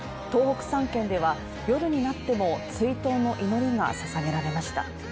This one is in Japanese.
東北３県では、夜になっても追悼の祈りがささげられました。